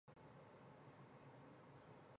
嘉靖十一年壬辰科第三甲第二百零七名进士。